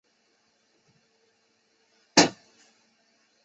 奈良县出身。